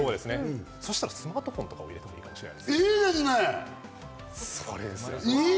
そうしたら、スマートフォンとかを入れてもいいかもしれない。